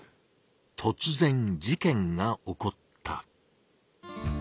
とつ然事件が起こった。